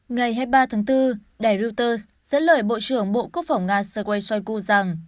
ngày hai mươi ba tháng bốn đài reuters dẫn lời bộ trưởng bộ quốc phòng nga sergei shoigu rằng